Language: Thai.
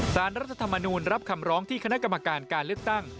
รัฐธรรมนูลรับคำร้องที่คณะกรรมการการเลือกตั้ง